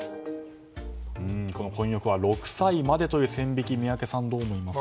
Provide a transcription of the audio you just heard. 混浴は６歳までという線引き宮家さん、どう思いますか？